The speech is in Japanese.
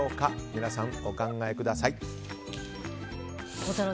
皆さんお考えください。